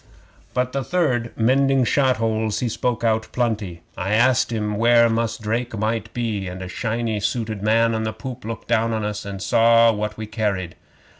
But the third, mending shot holes, he spoke out plenty. I asked him where Mus' Drake might be, and a shiny suited man on the poop looked down into us, and saw what we carried.